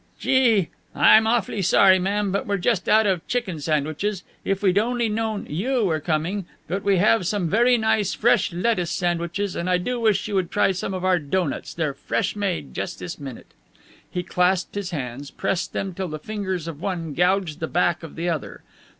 "Gee! I'm awfully sorry, ma'am, but we're just out of chicken sandwiches. If we'd only known you were coming But we have some very nice fresh lettuce sandwiches, and I do wish you would try some of our doughnuts. They're fresh made, just this minute." He clasped his hands, pressed them till the fingers of one gouged the back of the other.